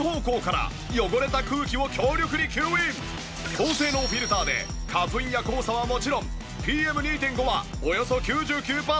高性能フィルターで花粉や黄砂はもちろんＰＭ２．５はおよそ９９パーセントキャッチ。